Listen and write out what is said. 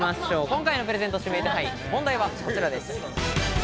今回のプレゼント指名手配、問題はこちらです。